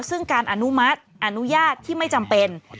ซึ่งการอนุมัติอนุญาตที่ไม่จำเป็น